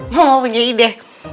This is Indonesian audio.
mama punya ide